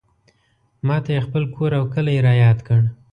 ماته یې خپل کور او کلی رایاد کړ.